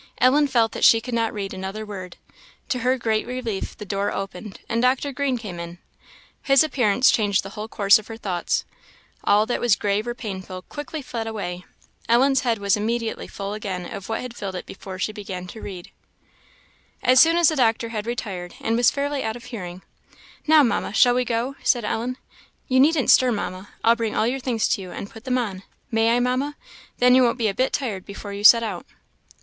Ellen felt that she could not read another word; to her great relief the door opened, and Dr. Green came in. His appearance changed the whole course of her thoughts. All that was grave or painful fled quickly away; Ellen's head was immediately full again of what had filled it before she began to read. As soon as the doctor had retired, and was fairly out of hearing, "Now, Mamma, shall we go?" said Ellen. "You needn't stir, Mamma; I'll bring all your things to you, and put them on may I, Mamma? then you won't be a bit tired before you set out."